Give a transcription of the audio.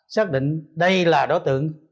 xác định đây là đối tượng